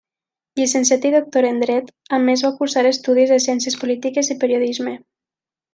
Llicenciat i doctor en Dret, a més va cursar estudis de Ciències Polítiques i Periodisme.